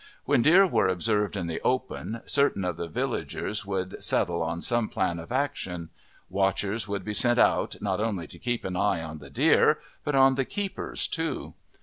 When deer were observed in the open, certain of the villagers would settle on some plan of action; watchers would be sent out not only to keep an eye on the deer but on the keepers too.